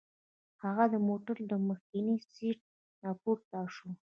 هغه د موټر له مخکیني سیټ نه پورته شو.